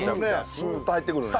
スルッと入ってくるね。